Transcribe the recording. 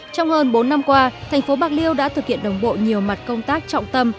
trong hơn bốn năm qua tp bạc liêu đã thực hiện đồng bộ nhiều mặt công tác trọng tâm